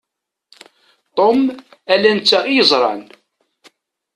Tom, ala netta i yeẓran.